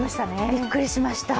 びっくりしました。